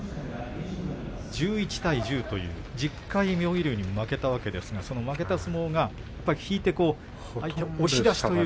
１１対１０という１０回妙義龍に負けたわけですがその負けた相撲が引いて押し出しという。